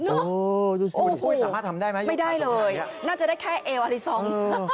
โอ้โฮดูสิไม่ได้เลยน่าจะได้แค่เอวอาริทรอง